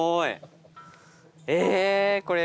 えこれ。